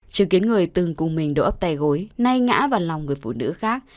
chứng kiến người từng cùng mình đổ ấp tà gối nay ngã vào lòng người phụ nữ khác